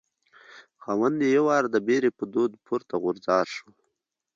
خاوند یې یو وار د بري په دود پورته غورځار شو.